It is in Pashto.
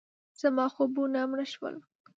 زما خوبونه مړه شول.